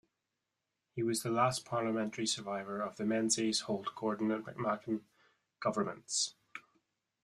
He was the last parliamentary survivor of the Menzies, Holt, Gorton and McMahon governments.